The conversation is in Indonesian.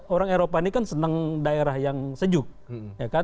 orang eropa ini kan senang daerah yang sejuk